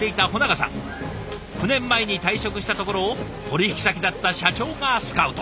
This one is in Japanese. ９年前に退職したところを取引先だった社長がスカウト。